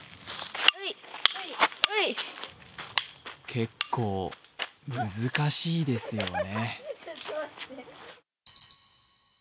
結構、難しいですよね。